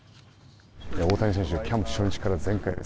大谷選手、キャンプ初日から全開です。